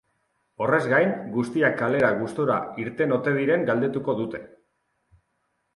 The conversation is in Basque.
Horrez gain, guztiak kalera gustura irten ote diren galdetuko dute.